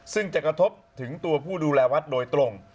ซึ่งจะกระทบถึงตัวผู้ดูแลวัดโดยตรง